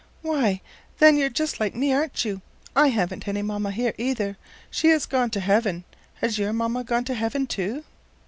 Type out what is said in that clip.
"Why, then you're just like me, aren't you? I haven't any mamma here, either. She has gone to heaven. Has your mamma gone to heaven, too?"